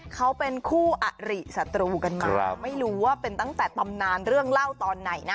เขาเป็นคู่อริสัตรูกันมาไม่รู้ว่าเป็นตั้งแต่ตำนานเรื่องเล่าตอนไหนนะ